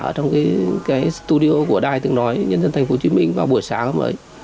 ở trong cái studio của đài từng nói nhân dân tp hcm vào buổi sáng hôm đấy